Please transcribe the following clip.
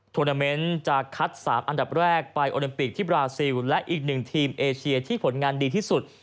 โมนาเมนต์จะคัด๓อันดับแรกไปโอลิมปิกที่บราซิลและอีกหนึ่งทีมเอเชียที่ผลงานดีที่สุด